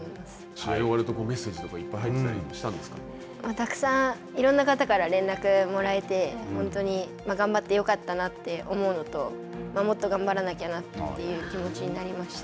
試合が終わると、メッセージとか、いっぱい入ってたりしたんでたくさんいろんな方から連絡もらえて、本当に頑張ってよかったなって思うのと、もっと頑張らなきゃなという思いになりました。